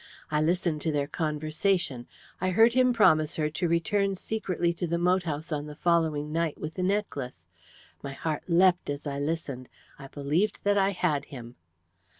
I listened to their conversation; I heard him promise her to return secretly to the moat house on the following night with the necklace. My heart leapt as I listened. I believed that I had him.